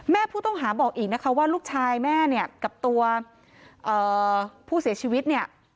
แม่ผู้ต้องหาบอกอีกนะคะว่าลูกชายแม่เนี่ยกับตัวผู้เสียชีวิตเนี่ย